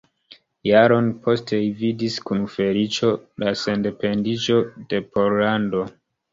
Jaron poste li vidis kun feliĉo la sendependiĝon de Pollando.